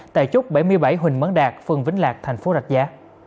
tại chốt bảy mươi bảy huỳnh mấn đạt phường vĩnh lạc thành phố rạch giá